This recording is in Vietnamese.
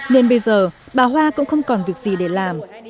nên bây giờ bà hoa cũng không còn việc gì để làm